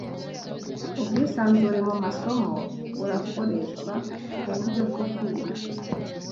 Ubwisanzure mu masomo burakoreshwa muburyo bwo kwiga